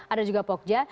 ada juga pokja